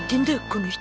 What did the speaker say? この人。